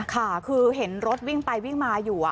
ค่ะคือเห็นรถวิ่งไปวิ่งมาอยู่